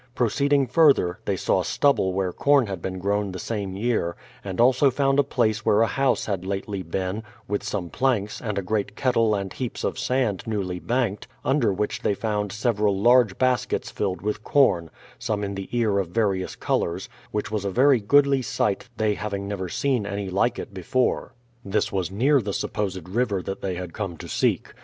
Proceeding further, they saw stubble where corn had been grown the same year, and also found a place where a house had lately been, with some planks, and a great kettle and heaps of sand newly banked, under which they found several large baskets filled with corn, some in the ear of various colours, which was a very goodly sight they hav ing never seen any like it before. This was near the supposed river that they had come to seek.